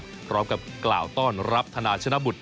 พร้อมกับกล่าวต้อนรับธนาชนะบุตร